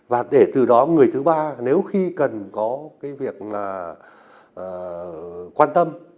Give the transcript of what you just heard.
và để từ đó người thứ ba nếu khi cần có cái việc mà quan tâm